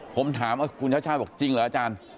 ผมถามคุณชาสาวบอกจริงหรืออาจารย์